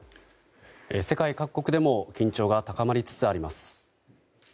世界各国でも緊張が高まりつつあります。